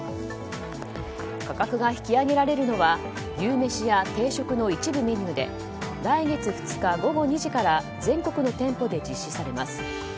価格が引き上げられるのは牛めしや定食の一部メニューで来月２日午後２時から全国の店舗で実施されます。